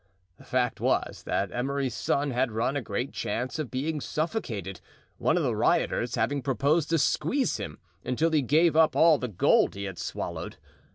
The fact was that Emery's son had run a great chance of being suffocated, one of the rioters having proposed to squeeze him until he gave up all the gold he had swallowed.